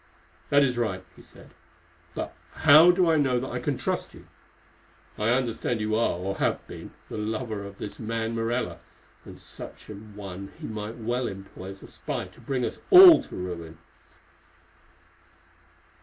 "That is right," he said, "but how do I know that I can trust you? I understand you are, or have been, the lover of this man Morella, and such an one he might well employ as a spy to bring us all to ruin."